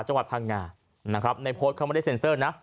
จังหวัดพังงานะครับในโพสต์เขาไม่ได้เซ็นเซอร์นะ